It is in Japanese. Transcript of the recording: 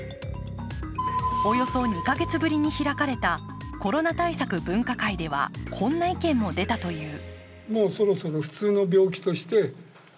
およそ２か月ぶりに開かれたコロナ対策分科会では、こんな意見も出たという。